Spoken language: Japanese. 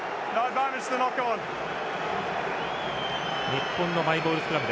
日本のマイボールスクラム。